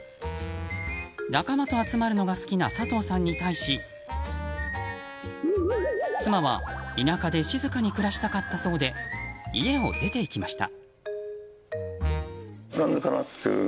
仲間と集まるのが好きな佐藤さんに対し妻は田舎で静かに暮らしたかったそうで家を出ていきました。